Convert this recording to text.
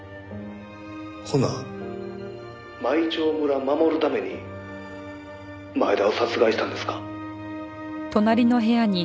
ほな舞澄村守るために前田を殺害したんですか？